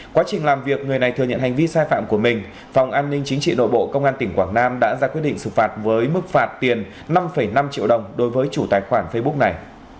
quá trình làm việc người này thừa nhận hành vi sai phạm của mình phòng an ninh chính trị nội bộ công an tỉnh quảng nam đã ra quyết định xử phạt với mức phạt tiền năm năm triệu đồng đối với chủ tài khoản facebook này